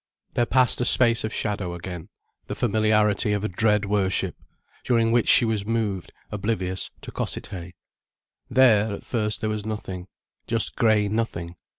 There passed a space of shadow again, the familiarity of dread worship, during which she was moved, oblivious, to Cossethay. There, at first, there was nothing—just grey nothing.